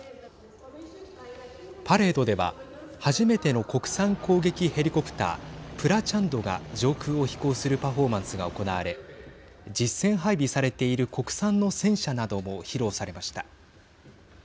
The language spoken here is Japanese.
パレードでは初めての国産攻撃ヘリコプタープラチャンドが上空を飛行するパフォーマンスが行われ実戦配備されている国産の戦車なども披露されました。